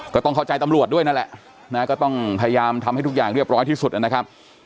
ก็ต้องเข้าใจตำรวจด้วยนั่นแหละนะก็ต้องพยายามทำให้ทุกอย่างเรียบร้อยที่สุดนะครับ